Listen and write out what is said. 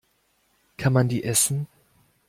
Kann man die essen?